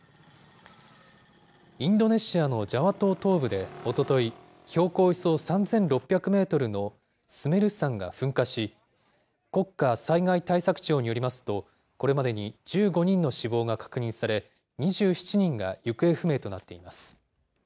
インドネシアのジャワ島東部でおととい、標高およそ３６００メートルのスメル山が噴火し、国家災害対策庁によりますと、これまでに１５人の死亡が確認され、２７人が行方不明となっています。